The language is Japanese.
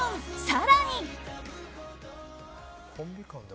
更に。